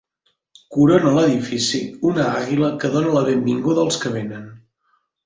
Corona l'edifici, una àguila que dóna la benvinguda als que vénen.